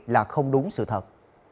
là không đúng sự thật